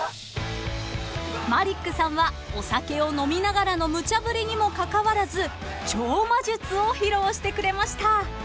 ［マリックさんはお酒を飲みながらの無茶ぶりにもかかわらず超魔術を披露してくれました］